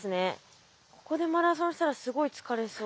ここでマラソンしたらすごい疲れそう。